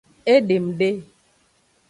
Edem de.